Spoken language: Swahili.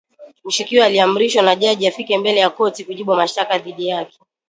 Mshukiwa aliamrishwa na jaji afike mbele ya korti kujibu mashtaka dhidi yake.